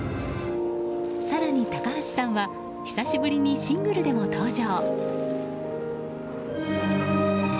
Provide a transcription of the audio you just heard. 更に、高橋さんは久しぶりにシングルでも登場。